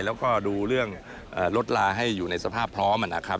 แล้วก็ดูเรื่องลดลาให้อยู่ในสภาพพร้อมนะครับ